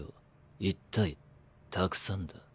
１対たくさんだ。